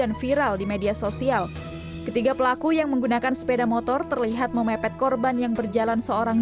aksi perampasan telepon genggam milik seorang bocah di jalan ch dua kebayoran lama jakarta selatan berhasil ditangkap polres metro jakarta selatan